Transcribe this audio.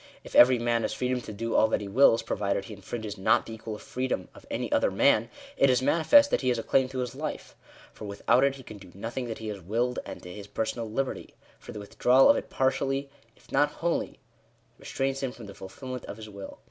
If every man has freedom to do all that he wills, provided he infringes not the equal freedom of any other man, it is manifest that he has a claim to his life : for without it he can do nothing that he has willed ; and to his personal liberty : for the withdrawal of it partially, if not wholly, restrains him from the fulfilment of his will.